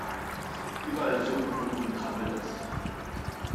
Überall summt, brummt und krabbelt es.